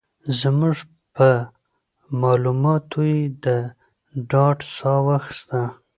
زموږ په مالوماتو یې د ډاډ ساه واخيسته.